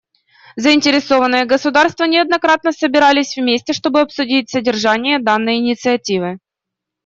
Заинтересованные государства неоднократно собирались вместе чтобы обсудить содержание данной инициативы.